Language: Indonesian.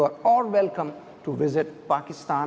anda semua selamat datang ke pakistan